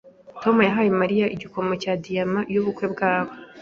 Tom yahaye Mariya igikomo cya diyama yubukwe bwabo.